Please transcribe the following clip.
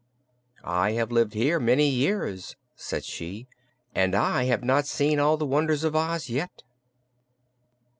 "I have lived here many years," said she, "and I have not seen all the wonders of Oz yet."